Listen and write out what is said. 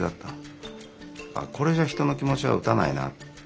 これじゃ人の気持ちは打たないなって。